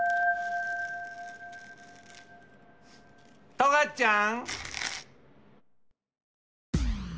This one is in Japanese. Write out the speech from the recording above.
トガちゃん！